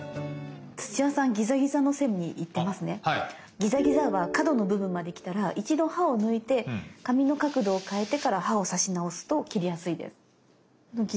ギザギザは角の部分まできたら一度刃を抜いて紙の角度を変えてから刃を刺し直すと切りやすいです。